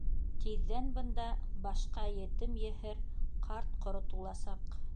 Тиҙҙән бында башҡа етем-еһер, ҡарт-ҡоро туласаҡ.